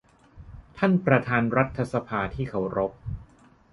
ท่านประธานรัฐสภาที่เคารพ